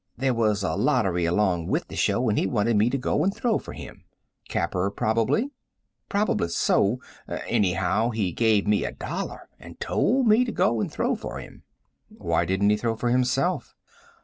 There was a lottery along with the show and he wanted me to go and throw for him." "Capper, probably?" "Perhaps so. Anyhow, he gave me a dollar and told me to go and throw for him." "Why didn't he throw for himself?"